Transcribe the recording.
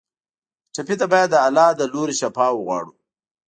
ټپي ته باید د الله له لورې شفا وغواړو.